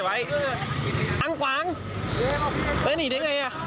หลังเอ๊ะหนีได้ไงอ่ะ